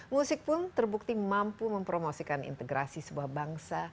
musik pun terbukti mampu mempromosikan integrasi sebuah bangsa